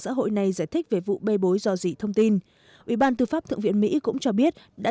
xã hội này giải thích về vụ bê bối rò rỉ thông tin ủy ban tư pháp thượng viện mỹ cũng cho biết đã